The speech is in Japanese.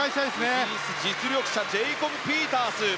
イギリス、実力者のジェイコブ・ピータース。